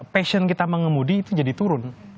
passion kita mengemudi itu jadi turun